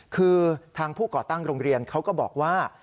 คือทางผู้ก่อตั้งโรงเรียนเขาก็บอกว่า